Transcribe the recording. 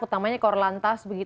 utamanya koral lantas